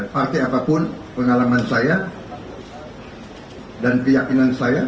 partai apapun pengalaman saya dan keyakinan saya